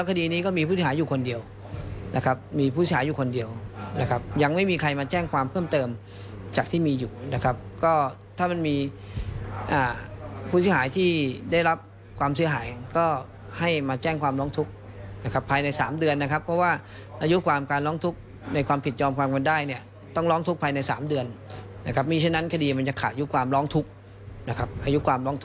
ครับยังไม่มีใครมาแจ้งความเพิ่มเติมจากที่มีอยู่นะครับก็ถ้ามันมีอ่าผู้เสียหายที่ได้รับความเสียหายก็ให้มาแจ้งความร้องทุกข์นะครับภายในสามเดือนนะครับเพราะว่าอายุความการร้องทุกข์ในความผิดยอมความควรได้เนี้ยต้องร้องทุกข์ภายในสามเดือนนะครับมีฉะนั้นคดีมันจะขาดยุคความร้องทุกข์นะครับอายุ